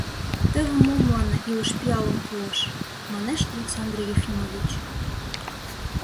— Теве мо мыланна илыш пиалым пуыш, — манеш Александр Ефимович.